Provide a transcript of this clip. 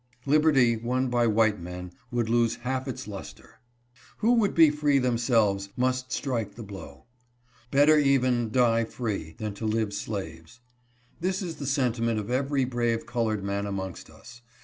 Lib erty won by white men would lose half its luster. ' Who would be BETTER TO DIE FREE THAN TO LIVE SLAVES. 415 free themselves must strike the blow. ' 'Better even die free, than to live slaves.' This is the sentiment of every brave colored man amongst us.